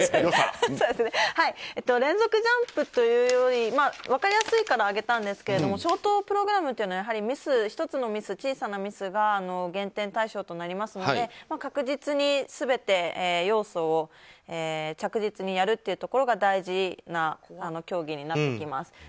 連続ジャンプというより分かりやすいから挙げたんですけどショートプログラムというのはやはり１つの小さなミスが減点対象となりますので確実に全て要素を着実にやるというところが大事な競技になってきます。